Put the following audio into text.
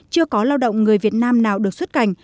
chưa có lao động người việt nam nào được xuất cảnh